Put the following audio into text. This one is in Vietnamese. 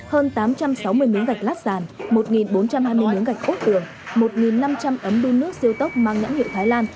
hơn tám trăm sáu mươi miếng gạch lát sàn một bốn trăm hai mươi miếng gạch ốt tường một năm trăm linh ấm đun nước siêu tốc mang nhãn hiệu thái lan